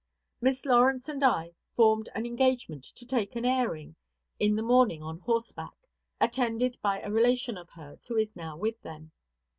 Miss Lawrence and I formed an engagement to take an airing in the morning on horseback, attended by a relation of hers who is now with them.